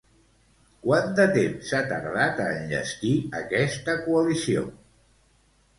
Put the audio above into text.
Quant de temps s'ha tardat a enllestir aquesta coalició?